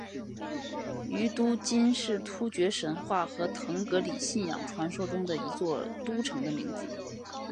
于都斤是突厥神话和腾格里信仰传说中的一座都城的名字。